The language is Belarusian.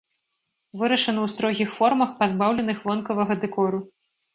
Вырашаны ў строгіх формах, пазбаўленых вонкавага дэкору.